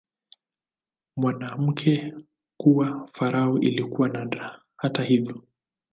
Mwanamke kuwa farao ilikuwa nadra, hata hivyo.